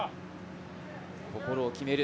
心を決める